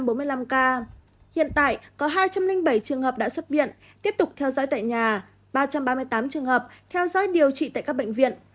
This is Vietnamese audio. hiện tại có hai trăm linh bảy trường hợp đã xuất viện tiếp tục theo dõi tại nhà ba trăm ba mươi tám trường hợp theo dõi điều trị tại các bệnh viện